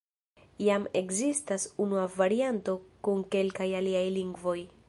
Jam ekzistas unua varianto kun kelkaj aliaj lingvoj.